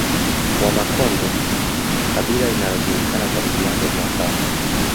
Wamakonde kabila linalojulikana kwa vinyago vya mbao